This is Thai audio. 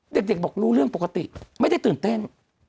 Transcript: เด็กบอกรู้เรื่องปกติไม่ได้ตื่นเต้น